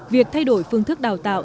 việc thay đổi phương thức đào tạo